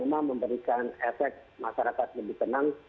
cuma memberikan efek masyarakat lebih tenang